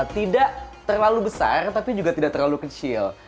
tidak terlalu besar tapi juga tidak terlalu kecil